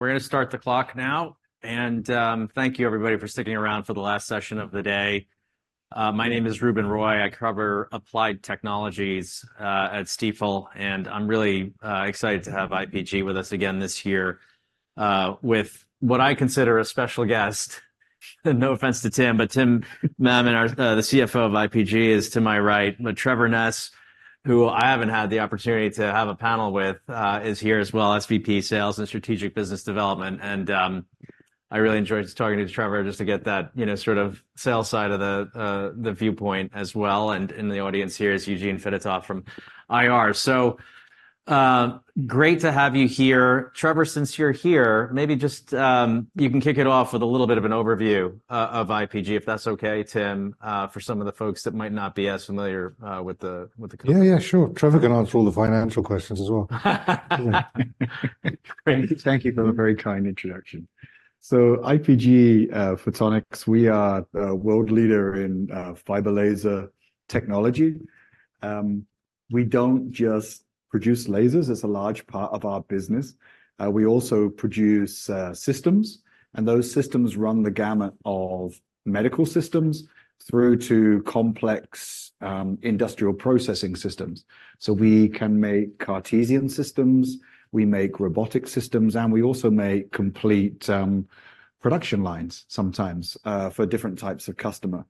We're gonna start the clock now, and thank you everybody for sticking around for the last session of the day. My name is Ruben Roy. I cover applied technologies at Stifel, and I'm really excited to have IPG with us again this year, with what I consider a special guest no offense to Tim, but Tim Mammen, our, the CFO of IPG, is to my right. But Trevor Ness, who I haven't had the opportunity to have a panel with, is here as well, SVP Sales and Strategic Business Development. And I really enjoyed talking to Trevor just to get that, you know, sort of sales side of the, the viewpoint as well. And in the audience here is Eugene Fedotoff from IR. So, great to have you here. Trevor, since you're here, maybe just you can kick it off with a little bit of an overview of IPG, if that's okay, Tim, for some of the folks that might not be as familiar with the company. Yeah, yeah, sure. Trevor can answer all the financial questions as well. Great. Thank you for the very kind introduction. So IPG Photonics, we are a world leader in fiber laser technology. We don't just produce lasers, that's a large part of our business. We also produce systems, and those systems run the gamut of medical systems through to complex industrial processing systems. So we can make Cartesian systems, we make robotic systems, and we also make complete production lines sometimes for different types of customer.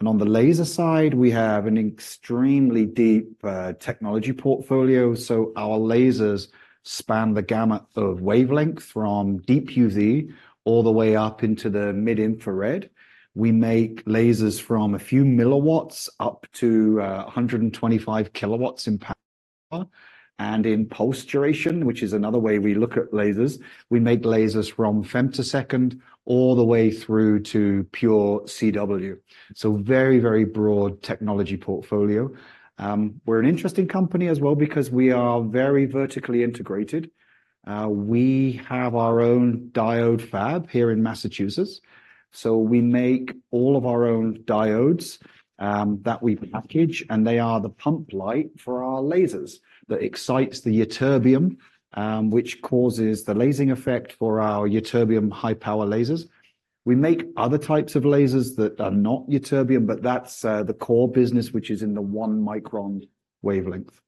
And on the laser side, we have an extremely deep technology portfolio, so our lasers span the gamut of wavelength from deep UV all the way up into the mid-infrared. We make lasers from a few milliwatts up to 125 kW in power. In pulse duration, which is another way we look at lasers, we make lasers from femtosecond all the way through to pure CW. Very, very broad technology portfolio. We're an interesting company as well because we are very vertically integrated. We have our own diode fab here in Massachusetts, so we make all of our own diodes that we package, and they are the pump light for our lasers that excites the ytterbium, which causes the lasing effect for our ytterbium high-power lasers. We make other types of lasers that are not ytterbium, but that's the core business, which is in the one-micron wavelength.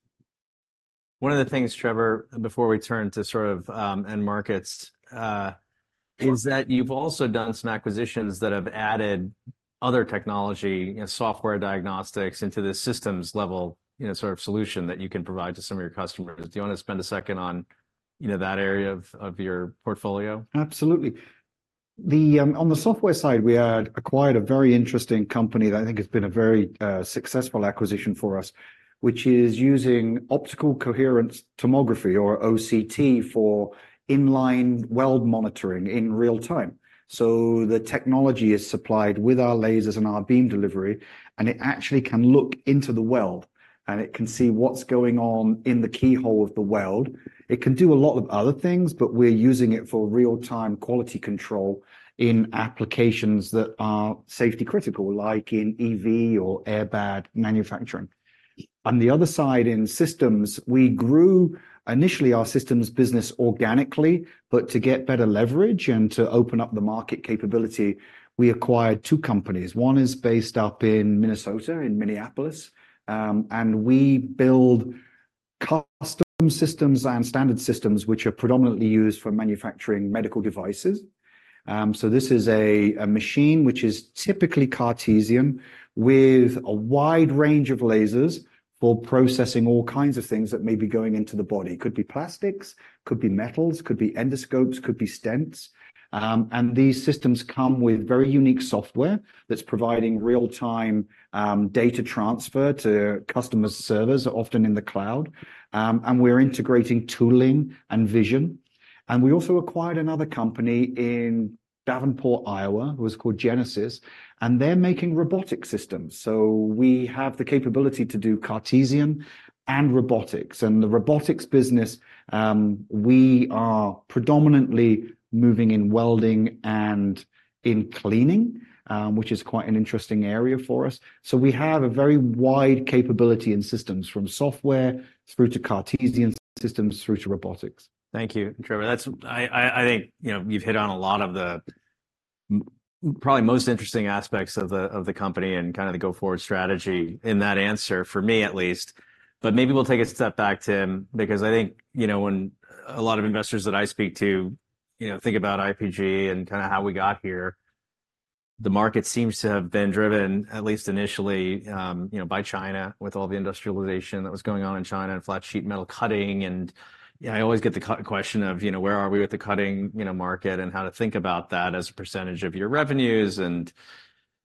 One of the things, Trevor, before we turn to sort of end markets, Sure... is that you've also done some acquisitions that have added other technology and software diagnostics into the systems level, you know, sort of solution that you can provide to some of your customers. Do you wanna spend a second on, you know, that area of your portfolio? Absolutely. The on the software side, we had acquired a very interesting company that I think has been a very successful acquisition for us, which is using optical coherence tomography, or OCT, for in-line weld monitoring in real time. So the technology is supplied with our lasers and our beam delivery, and it actually can look into the weld, and it can see what's going on in the keyhole of the weld. It can do a lot of other things, but we're using it for real-time quality control in applications that are safety critical, like in EV or airbag manufacturing. On the other side, in systems, we grew initially our systems business organically, but to get better leverage and to open up the market capability, we acquired two companies. One is based up in Minnesota, in Minneapolis, and we build custom systems and standard systems which are predominantly used for manufacturing medical devices. So this is a machine which is typically Cartesian, with a wide range of lasers for processing all kinds of things that may be going into the body. Could be plastics, could be metals, could be endoscopes, could be stents. And these systems come with very unique software that's providing real-time data transfer to customers' servers, often in the cloud. And we're integrating tooling and vision. And we also acquired another company in Davenport, Iowa. It was called Genesis, and they're making robotic systems. So we have the capability to do Cartesian and robotics. And the robotics business, we are predominantly moving in welding and in cleaning, which is quite an interesting area for us. We have a very wide capability in systems, from software through to Cartesian systems through to robotics. Thank you, Trevor. That's. I think, you know, you've hit on a lot of the probably most interesting aspects of the, of the company and kinda the go-forward strategy in that answer, for me at least. But maybe we'll take a step back, Tim, because I think, you know, when a lot of investors that I speak to, you know, think about IPG and kinda how we got here, the market seems to have been driven, at least initially, you know, by China, with all the industrialization that was going on in China and flat sheet metal cutting, and, yeah, I always get the question of, you know, where are we with the cutting, you know, market and how to think about that as a percentage of your revenues. And,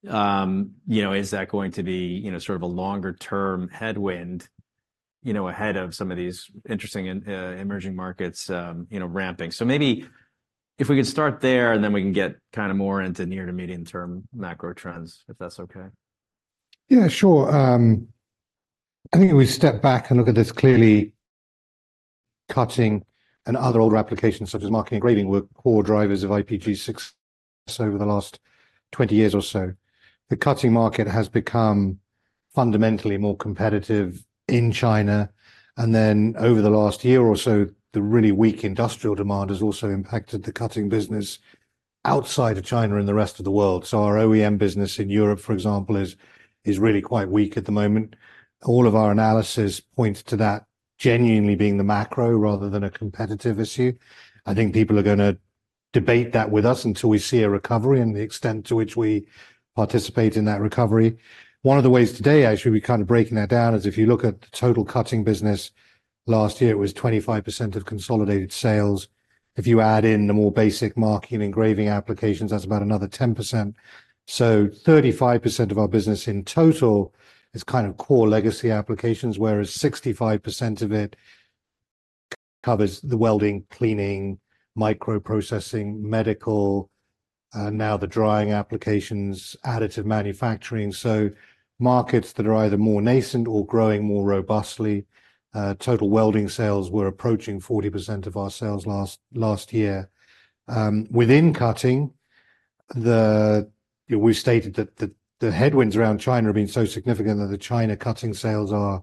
you know, is that going to be, you know, sort of a longer term headwind, you know, ahead of some of these interesting and, emerging markets, you know, ramping? So maybe if we could start there, and then we can get kinda more into near to medium-term macro trends, if that's okay. Yeah, sure. I think if we step back and look at this clearly, cutting and other older applications, such as marking and engraving, were core drivers of IPG's success over the last 20 years or so. The cutting market has become fundamentally more competitive in China, and then over the last year or so, the really weak industrial demand has also impacted the cutting business outside of China and the rest of the world. So our OEM business in Europe, for example, is really quite weak at the moment. All of our analysis points to that genuinely being the macro rather than a competitive issue. I think people are gonna debate that with us until we see a recovery and the extent to which we participate in that recovery. One of the ways today, actually, we're kind of breaking that down is if you look at the total cutting business, last year it was 25% of consolidated sales. If you add in the more basic marking and engraving applications, that's about another 10%. So 35% of our business in total is kind of core legacy applications, whereas 65% of it covers the welding, cleaning, micro processing, medical, now the drying applications, additive manufacturing, so markets that are either more nascent or growing more robustly. Total welding sales were approaching 40% of our sales last, last year. Within cutting, the, we've stated that the, the headwinds around China have been so significant that the China cutting sales are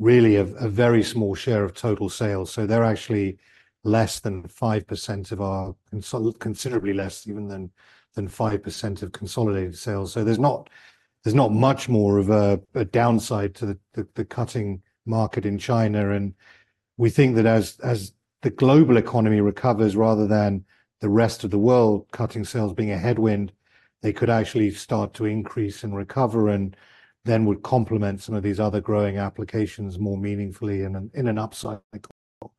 really a, a very small share of total sales. So they're actually less than 5% of our consolidated sales, considerably less even than 5% of consolidated sales. So there's not much more of a downside to the cutting market in China, and we think that as the global economy recovers, rather than the rest of the world, cutting sales being a headwind, they could actually start to increase and recover and then would complement some of these other growing applications more meaningfully in an upcycle.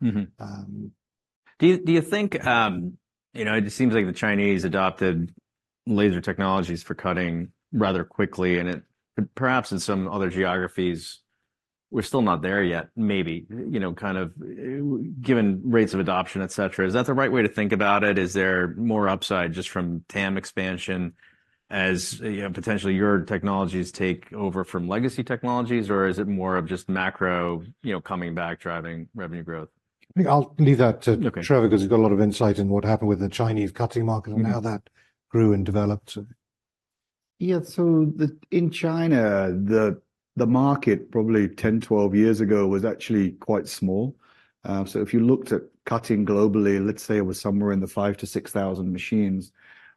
Mm-hmm. Um- Do you think... You know, it seems like the Chinese adopted laser technologies for cutting rather quickly, and it, perhaps in some other geographies, we're still not there yet, maybe. You know, kind of, given rates of adoption, et cetera. Is that the right way to think about it? Is there more upside just from TAM expansion as, you know, potentially your technologies take over from legacy technologies, or is it more of just macro, you know, coming back, driving revenue growth? I think I'll leave that to- Okay... Trevor, because he's got a lot of insight in what happened with the Chinese cutting market- Mm... and how that grew and developed. Yeah. So, in China, the market, probably 10, 12 years ago, was actually quite small. So if you looked at cutting globally, let's say it was somewhere in the 5,000-6,000 machines.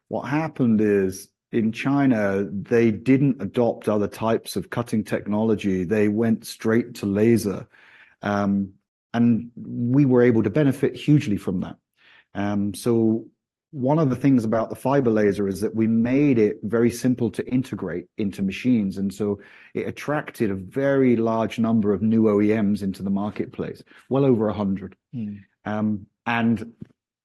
What happened is, in China, they didn't adopt other types of cutting technology. They went straight to laser, and we were able to benefit hugely from that. So one of the things about the fiber laser is that we made it very simple to integrate into machines, and so it attracted a very large number of new OEMs into the marketplace, well over 100. Mm. And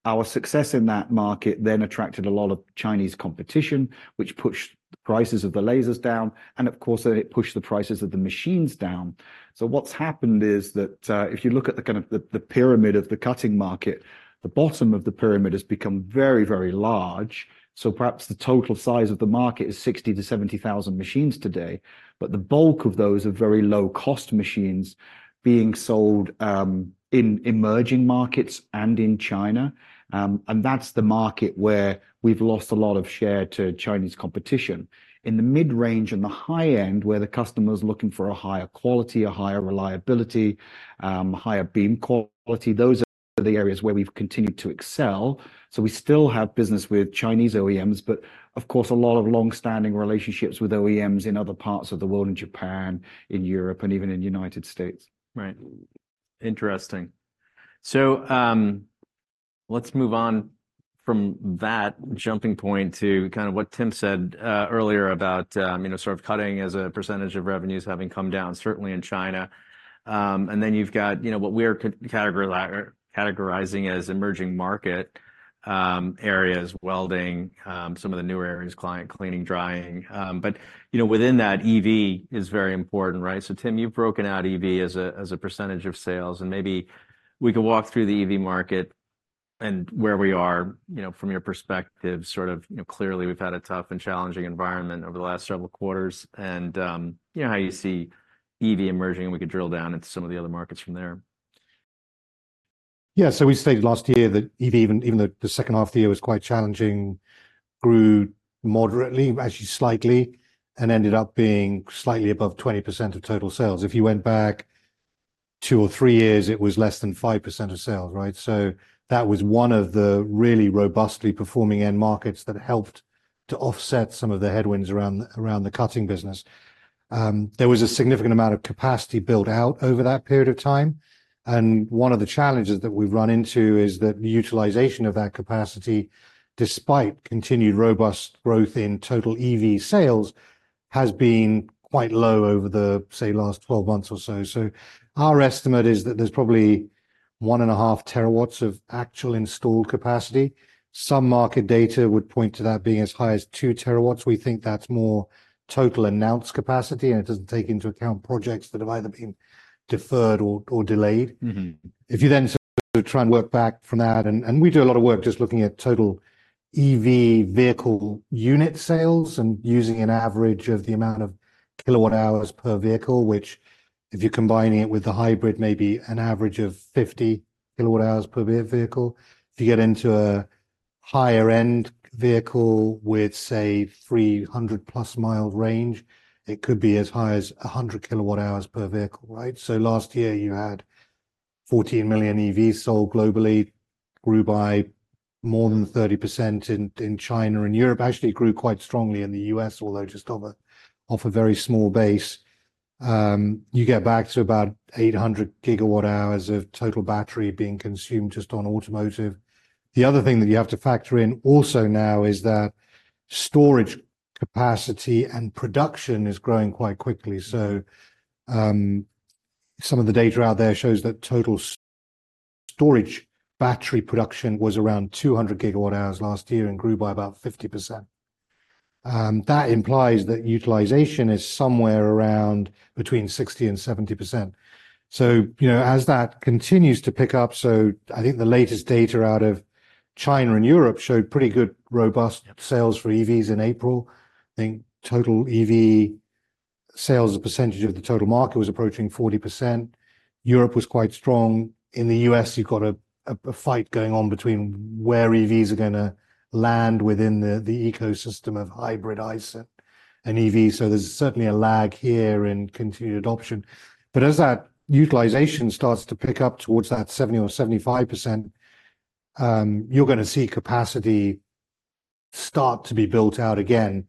our success in that market then attracted a lot of Chinese competition, which pushed the prices of the lasers down, and of course, then it pushed the prices of the machines down. So what's happened is that, if you look at the pyramid of the cutting market, the bottom of the pyramid has become very, very large. So perhaps the total size of the market is 60,000-70,000 machines today, but the bulk of those are very low-cost machines being sold, in emerging markets and in China. And that's the market where we've lost a lot of share to Chinese competition. In the mid-range and the high end, where the customer's looking for a higher quality, a higher reliability, higher beam quality, those are the areas where we've continued to excel. So we still have business with Chinese OEMs, but of course, a lot of long-standing relationships with OEMs in other parts of the world, in Japan, in Europe, and even in the United States. Right. Interesting. So, let's move on from that jumping-off point to kind of what Tim said earlier about, you know, sort of cutting as a percentage of revenues having come down, certainly in China. And then you've got, you know, what we are categorizing as emerging market areas, welding, some of the newer areas, cleaning, drying. But, you know, within that, EV is very important, right? So, Tim, you've broken out EV as a percentage of sales, and maybe we could walk through the EV market and where we are, you know, from your perspective, sort of, you know, clearly, we've had a tough and challenging environment over the last several quarters and, you know, how you see EV emerging, and we could drill down into some of the other markets from there. Yeah, so we stated last year that EV, even though the second half of the year was quite challenging, grew moderately, actually slightly, and ended up being slightly above 20% of total sales. If you went back two or three years, it was less than 5% of sales, right? So that was one of the really robustly performing end markets that helped to offset some of the headwinds around the cutting business. There was a significant amount of capacity built out over that period of time, and one of the challenges that we've run into is that the utilization of that capacity, despite continued robust growth in total EV sales, has been quite low over the, say, last 12 months or so. So our estimate is that there's probably 1.5 TW of actual installed capacity. Some market data would point to that being as high as 2 TW. We think that's more total announced capacity, and it doesn't take into account projects that have either been deferred or delayed. Mm-hmm. If you then try and work back from that, and we do a lot of work just looking at total EV vehicle unit sales and using an average of the amount of kilowatt hours per vehicle, which, if you're combining it with the hybrid, may be an average of 50 kWh per vehicle. If you get into a higher-end vehicle with, say, 300+ mile range, it could be as high as 100 kWh per vehicle, right? So last year you had 14 million EVs sold globally, grew by more than 30% in China and Europe. Actually, it grew quite strongly in the U.S., although just off a very small base. You get back to about 800 GWh of total battery being consumed just on automotive. The other thing that you have to factor in also now is that storage capacity and production is growing quite quickly. So, some of the data out there shows that total storage battery production was around 200 GWh last year and grew by about 50%. That implies that utilization is somewhere around between 60%-70%. So, you know, as that continues to pick up, so I think the latest data out of China and Europe showed pretty good, robust sales for EVs in April. I think total EV sales as a percentage of the total market was approaching 40%. Europe was quite strong. In the U.S., you've got a fight going on between where EVs are gonna land within the ecosystem of hybrid ICE and EV, so there's certainly a lag here in continued adoption. But as that utilization starts to pick up towards that 70% or 75%, you're gonna see capacity start to be built out again.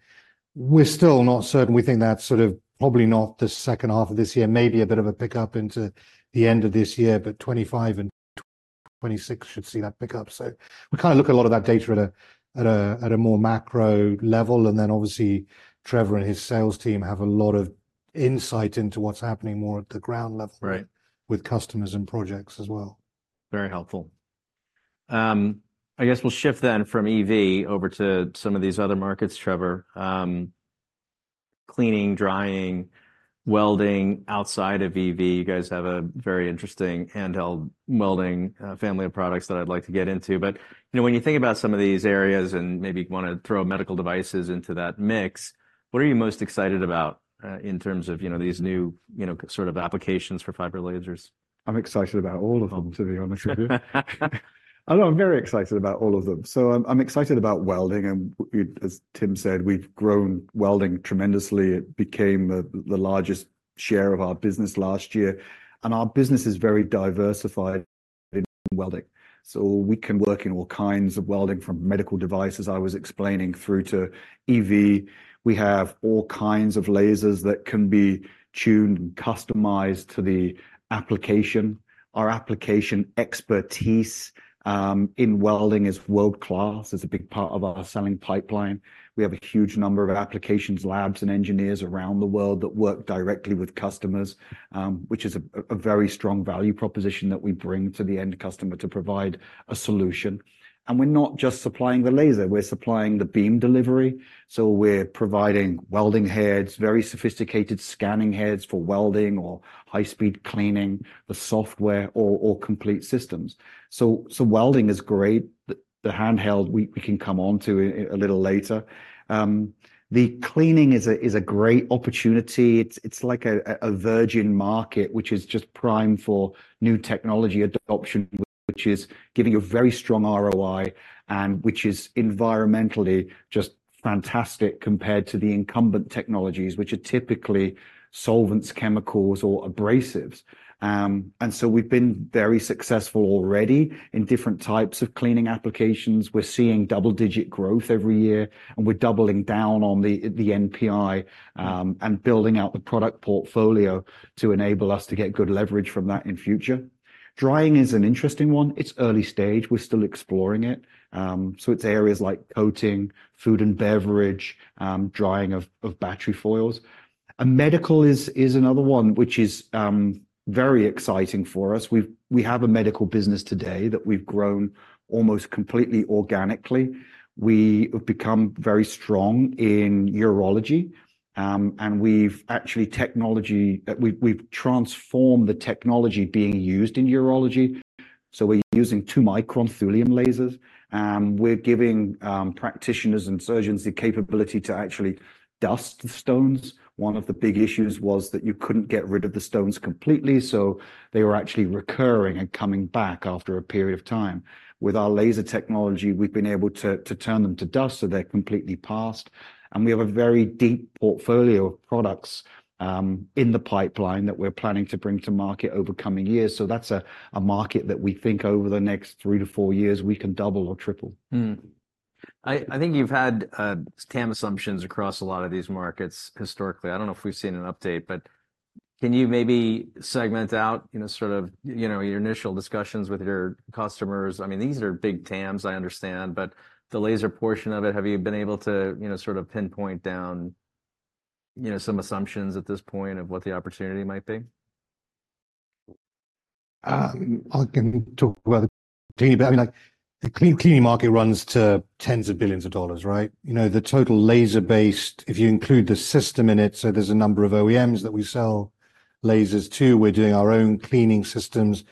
We're still not certain. We think that's sort of probably not the second half of this year, maybe a bit of a pick-up into the end of this year, but 2025 and 2026 should see that pick up. So we kinda look at a lot of that data at a more macro level, and then obviously, Trevor and his sales team have a lot of insight into what's happening more at the ground level- Right... with customers and projects as well. Very helpful. I guess we'll shift then from EV over to some of these other markets, Trevor. Cleaning, drying, welding outside of EV, you guys have a very interesting handheld welding family of products that I'd like to get into. But, you know, when you think about some of these areas and maybe wanna throw medical devices into that mix, what are you most excited about in terms of, you know, these new, you know, sort of applications for fiber lasers? I'm excited about all of them, to be honest with you. I'm very excited about all of them. So I'm excited about welding, and we—as Tim said, we've grown welding tremendously. It became the largest share of our business last year, and our business is very diversified in welding, so we can work in all kinds of welding, from medical devices, I was explaining, through to EV. We have all kinds of lasers that can be tuned and customized to the application. Our application expertise in welding is world-class. It's a big part of our selling pipeline. We have a huge number of applications, labs, and engineers around the world that work directly with customers, which is a very strong value proposition that we bring to the end customer to provide a solution. We're not just supplying the laser, we're supplying the beam delivery, so we're providing welding heads, very sophisticated scanning heads for welding or high-speed cleaning, the software or complete systems. So welding is great. The handheld, we can come on to a little later. The cleaning is a great opportunity. It's like a virgin market, which is just prime for new technology adoption, which is giving a very strong ROI and which is environmentally just fantastic compared to the incumbent technologies, which are typically solvents, chemicals, or abrasives. And so we've been very successful already in different types of cleaning applications. We're seeing double-digit growth every year, and we're doubling down on the NPI, and building out the product portfolio to enable us to get good leverage from that in future. Drying is an interesting one. It's early stage. We're still exploring it. So it's areas like coating, food and beverage, drying of battery foils. Medical is another one, which is very exciting for us. We have a medical business today that we've grown almost completely organically. We have become very strong in urology, and we've transformed the technology being used in urology, so we're using 2-micron thulium lasers, and we're giving practitioners and surgeons the capability to actually dust the stones. One of the big issues was that you couldn't get rid of the stones completely, so they were actually recurring and coming back after a period of time. With our laser technology, we've been able to turn them to dust, so they're completely passed, and we have a very deep portfolio of products in the pipeline that we're planning to bring to market over coming years. So that's a market that we think over the next three to four years we can double or triple. Mm-hmm. I think you've had TAM assumptions across a lot of these markets historically. I don't know if we've seen an update, but can you maybe segment out, you know, sort of, you know, your initial discussions with your customers? I mean, these are big TAMs, I understand, but the laser portion of it, have you been able to, you know, sort of pinpoint down, you know, some assumptions at this point of what the opportunity might be? I can talk about the cleaning, but, I mean, like, the cleaning market runs to tens of billions of dollars, right? You know, the total laser-based, if you include the system in it, so there's a number of OEMs that we sell lasers to. We're doing our own cleaning systems.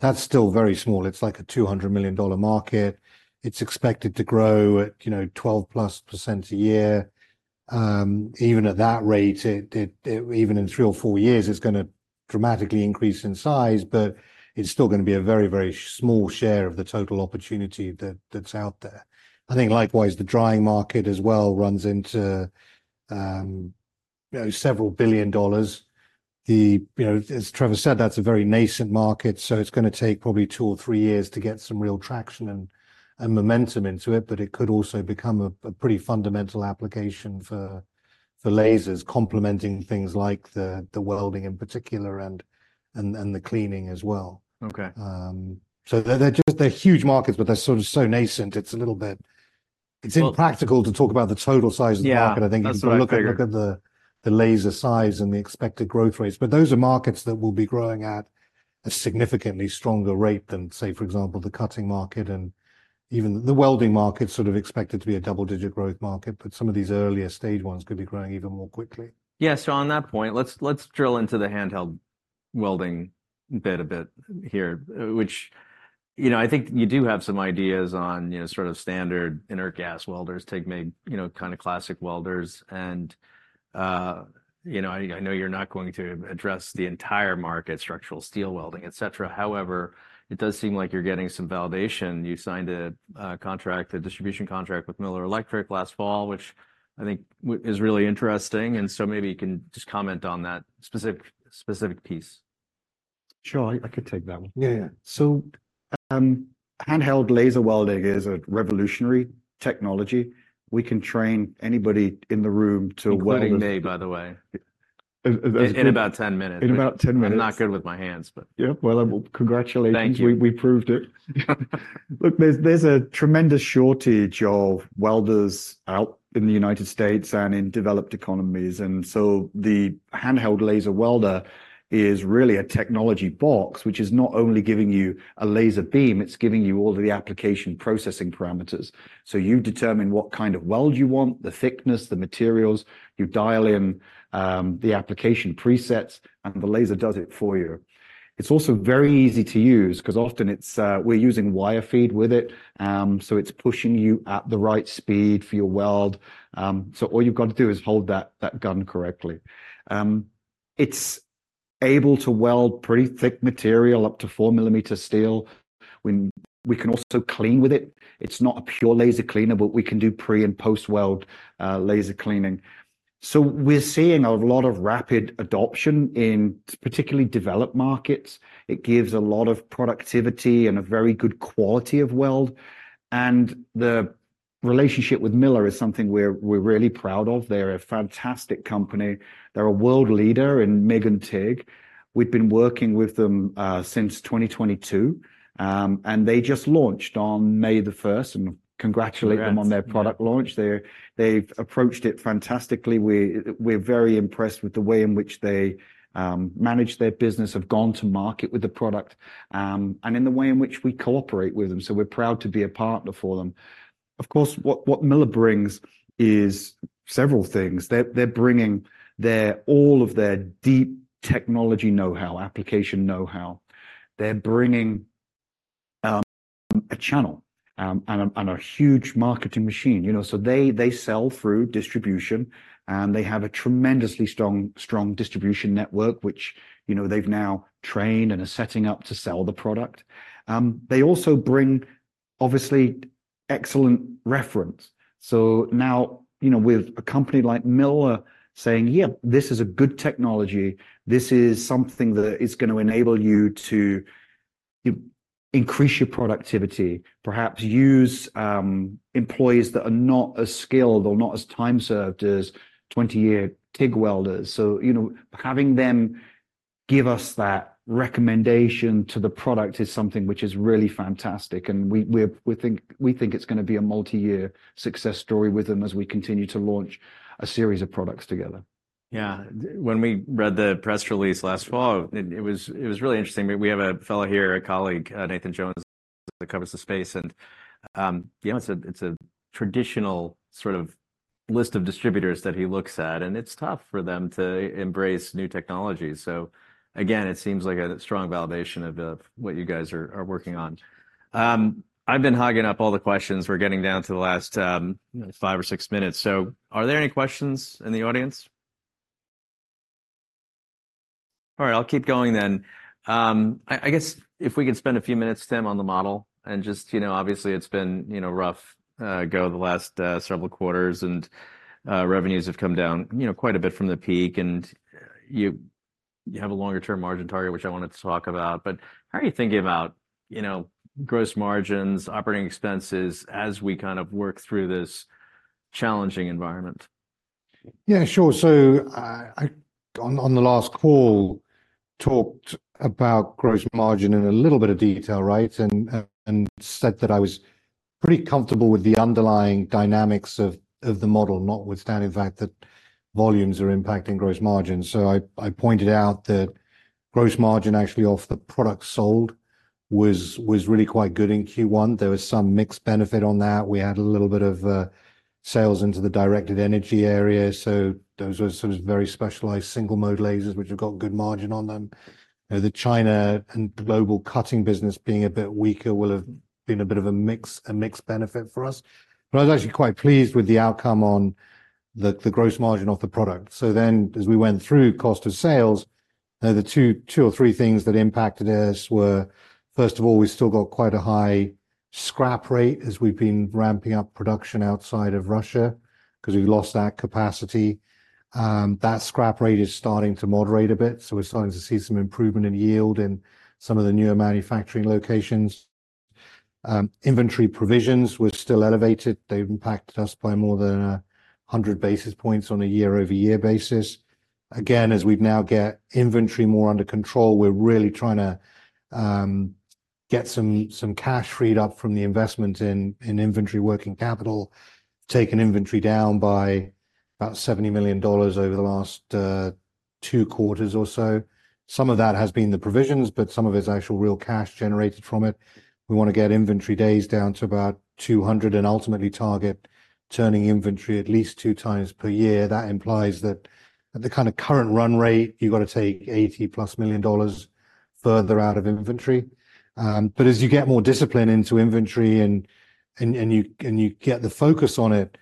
That's still very small. It's like a $200 million market. It's expected to grow at 12%+ a year. Even at that rate. Even in three or four years, it's gonna dramatically increase in size, but it's still gonna be a very, very small share of the total opportunity that's out there. I think likewise, the drying market as well runs into several billion dollars. You know, as Trevor said, that's a very nascent market, so it's gonna take probably two or three years to get some real traction and the cleaning as well. Okay. So they're just huge markets, but they're sort of so nascent, it's a little bit... It's impractical- Well- to talk about the total size of the market- Yeah, that's what I figured.... I think if you look at the laser size and the expected growth rates. But those are markets that will be growing at a significantly stronger rate than, say, for example, the cutting market and even the welding market, sort of expected to be a double-digit growth market, but some of these earlier stage ones could be growing even more quickly. Yeah, so on that point, let's drill into the handheld welding bit a bit here, which, you know, I think you do have some ideas on, you know, sort of standard inert gas welders, TIG, MIG, you know, kind of classic welders. And, you know, I know you're not going to address the entire market, structural steel welding, et cetera. However, it does seem like you're getting some validation. You signed a contract, a distribution contract with Miller Electric last fall, which I think which is really interesting, and so maybe you can just comment on that specific piece. Sure, I could take that one. Yeah, yeah. So, handheld laser welding is a revolutionary technology. We can train anybody in the room to weld- Including me, by the way. Yeah. In about 10 minutes. In about 10 minutes. I'm not good with my hands, but- Yeah, well, I will congratulate you. Thank you. We proved it. Look, there's a tremendous shortage of welders out in the United States and in developed economies, and so the handheld laser welder is really a technology box, which is not only giving you a laser beam, it's giving you all of the application processing parameters. So you determine what kind of weld you want, the thickness, the materials. You dial in the application presets, and the laser does it for you. It's also very easy to use, 'cause often we're using wire feed with it, so it's pushing you at the right speed for your weld. So all you've got to do is hold that gun correctly. It's able to weld pretty thick material, up to 4-mm steel. We can also clean with it. It's not a pure laser cleaner, but we can do pre- and post-weld laser cleaning. So we're seeing a lot of rapid adoption in particularly developed markets. It gives a lot of productivity and a very good quality of weld, and the relationship with Miller is something we're really proud of. They're a fantastic company. They're a world leader in MIG and TIG. We've been working with them since 2022. And they just launched on May 1, and congratulate them- Congrats... on their product launch. They've approached it fantastically. We're very impressed with the way in which they manage their business, have gone to market with the product, and in the way in which we cooperate with them, so we're proud to be a partner for them. Of course, what Miller brings is several things. They're bringing all of their deep technology know-how, application know-how. They're bringing a channel and a huge marketing machine. You know, so they sell through distribution, and they have a tremendously strong distribution network, which, you know, they've now trained and are setting up to sell the product. They also bring, obviously, excellent reference. So now, you know, with a company like Miller saying, "Yeah, this is a good technology, this is something that is gonna enable you to increase your productivity, perhaps use employees that are not as skilled or not as time-served as 20-year TIG welders." So, you know, having them give us that recommendation to the product is something which is really fantastic, and we think it's gonna be a multi-year success story with them as we continue to launch a series of products together. Yeah. When we read the press release last fall, it was really interesting. We have a fellow here, a colleague, Nathan Jones, that covers the space and, you know, it's a traditional sort of list of distributors that he looks at, and it's tough for them to embrace new technology. So again, it seems like a strong validation of the, what you guys are working on. I've been hogging up all the questions. We're getting down to the last, five or six minutes. So are there any questions in the audience? All right, I'll keep going then. I guess if we could spend a few minutes, Tim, on the model and just, you know, obviously, it's been, you know, rough go the last several quarters and, revenues have come down, you know, quite a bit from the peak, and, you have a longer-term margin target, which I wanted to talk about. But how are you thinking about, you know, gross margins, operating expenses, as we kind of work through this challenging environment? Yeah, sure. So, I, on the last call, talked about gross margin in a little bit of detail, right? And, and said that I was pretty comfortable with the underlying dynamics of, of the model, notwithstanding the fact that volumes are impacting gross margins. So I, I pointed out that gross margin actually off the products sold was, was really quite good in Q1. There was some mixed benefit on that. We had a little bit of sales into the directed energy area, so those were sort of very specialized single-mode lasers, which have got good margin on them.... The China and global cutting business being a bit weaker will have been a bit of a mix, a mixed benefit for us. But I was actually quite pleased with the outcome on the, the gross margin of the product. So then, as we went through cost of sales, the two, two or three things that impacted us were, first of all, we still got quite a high scrap rate as we've been ramping up production outside of Russia because we lost that capacity. That scrap rate is starting to moderate a bit, so we're starting to see some improvement in yield in some of the newer manufacturing locations. Inventory provisions were still elevated. They've impacted us by more than 100 basis points on a year-over-year basis. Again, as we now get inventory more under control, we're really trying to get some cash freed up from the investment in inventory working capital, taken inventory down by about $70 million over the last two quarters or so. Some of that has been the provisions, but some of it's actual real cash generated from it. We want to get inventory days down to about 200, and ultimately target turning inventory at least two times per year. That implies that at the kind of current run rate, you got to take $80+ million further out of inventory. But as you get more discipline into inventory and you get the focus on it,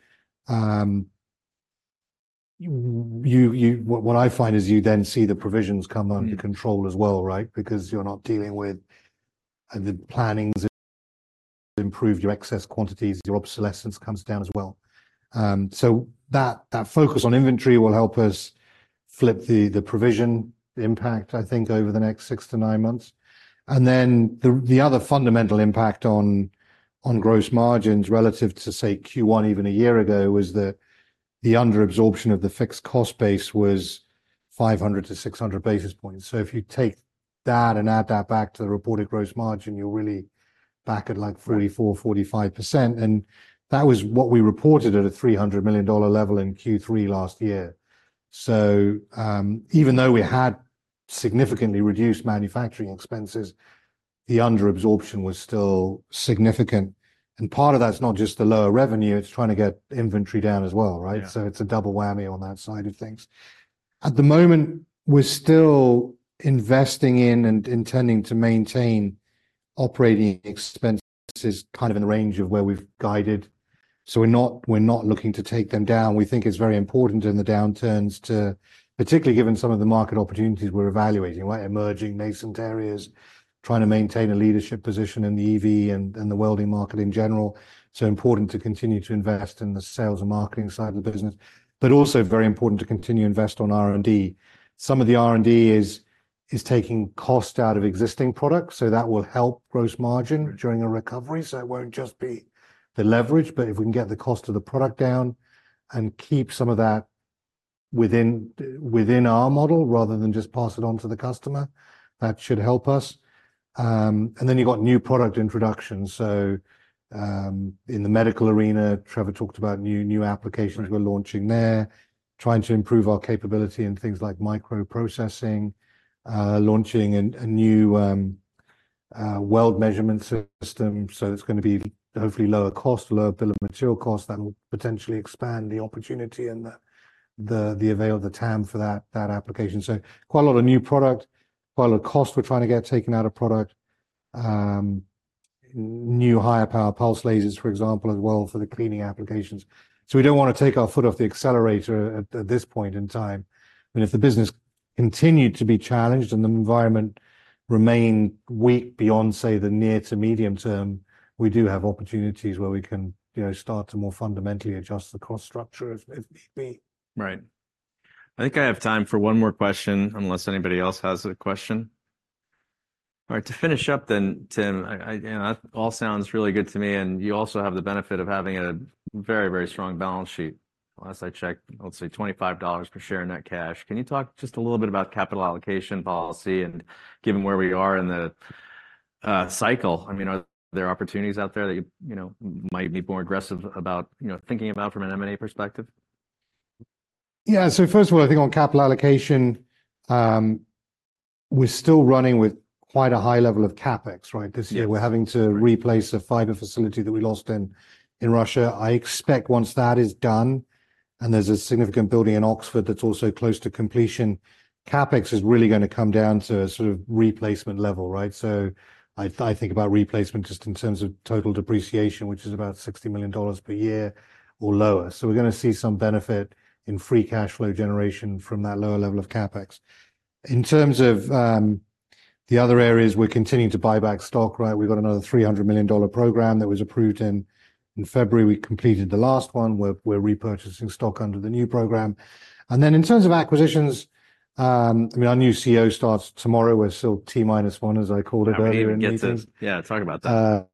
what I find is you then see the provisions come under control as well, right? Because you're not dealing with the plannings, improve your excess quantities, your obsolescence comes down as well. So that, that focus on inventory will help us flip the, the provision impact, I think, over the next six to nine months. Then the other fundamental impact on gross margins relative to, say, Q1 even a year ago, was the under absorption of the fixed cost base was 500-600 basis points. So if you take that and add that back to the reported gross margin, you're really back at like 44%-45%, and that was what we reported at a $300 million level in Q3 last year. So, even though we had significantly reduced manufacturing expenses, the under absorption was still significant, and part of that's not just the lower revenue, it's trying to get inventory down as well, right? Yeah. So it's a double whammy on that side of things. At the moment, we're still investing in and intending to maintain operating expenses, kind of in the range of where we've guided. So we're not, we're not looking to take them down. We think it's very important in the downturns to, particularly given some of the market opportunities we're evaluating, like emerging nascent areas, trying to maintain a leadership position in the EV and, and the welding market in general. So important to continue to invest in the sales and marketing side of the business, but also very important to continue to invest on R&D. Some of the R&D is, is taking cost out of existing products, so that will help gross margin during a recovery. So it won't just be the leverage, but if we can get the cost of the product down and keep some of that within our model, rather than just pass it on to the customer, that should help us. And then you've got new product introductions. So in the medical arena, Trevor talked about new applications we're launching there, trying to improve our capability in things like microprocessing, launching a new weld measurement system. So it's going to be hopefully lower cost, lower bill of material costs that will potentially expand the opportunity and the available TAM for that application. So quite a lot of new product, quite a lot of cost we're trying to get taken out of product. New higher power pulse lasers, for example, as well for the cleaning applications. So we don't want to take our foot off the accelerator at this point in time. But if the business continued to be challenged and the environment remained weak beyond, say, the near to medium term, we do have opportunities where we can, you know, start to more fundamentally adjust the cost structure, if need be. Right. I think I have time for one more question, unless anybody else has a question. All right, to finish up then, Tim, you know, that all sounds really good to me, and you also have the benefit of having a very, very strong balance sheet. Last I checked, let's say $25 per share in that cash. Can you talk just a little bit about capital allocation policy and given where we are in the cycle, I mean, are there opportunities out there that you, you know, might be more aggressive about, you know, thinking about from an M&A perspective? Yeah. So first of all, I think on capital allocation, we're still running with quite a high level of CapEx, right? Yes. This year, we're having to replace a fiber facility that we lost in Russia. I expect once that is done, and there's a significant building in Oxford that's also close to completion, CapEx is really going to come down to a sort of replacement level, right? So I think about replacement just in terms of total depreciation, which is about $60 million per year or lower. So we're going to see some benefit in free cash flow generation from that lower level of CapEx. In terms of the other areas, we're continuing to buy back stock, right? We've got another $300 million program that was approved in February. We completed the last one, we're repurchasing stock under the new program. And then in terms of acquisitions, I mean, our new CEO starts tomorrow. We're still T-minus one, as I called it earlier in the meeting. Yeah, talk about that.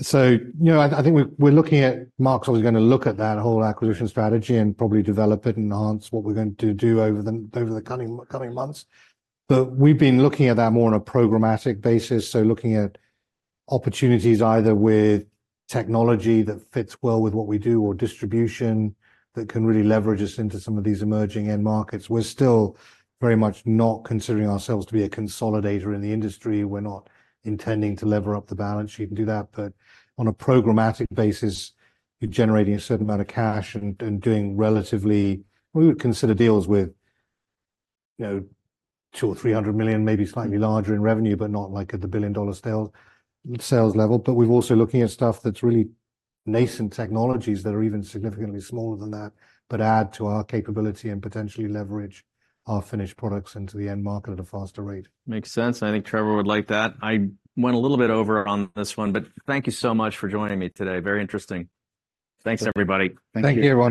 So, you know, I think we're looking at... Mark's always going to look at that whole acquisition strategy and probably develop it and enhance what we're going to do over the coming months. But we've been looking at that more on a programmatic basis. So looking at opportunities either with technology that fits well with what we do, or distribution that can really leverage us into some of these emerging end markets. We're still very much not considering ourselves to be a consolidator in the industry. We're not intending to lever up the balance sheet and do that, but on a programmatic basis, you're generating a certain amount of cash and doing relatively, we would consider deals with, you know, $200-$300 million, maybe slightly larger in revenue, but not like at the $1 billion sales level. We're also looking at stuff that's really nascent technologies that are even significantly smaller than that, but add to our capability and potentially leverage our finished products into the end market at a faster rate. Makes sense, and I think Trevor would like that. I went a little bit over on this one, but thank you so much for joining me today. Very interesting. Thanks, everybody. Thank you, everyone.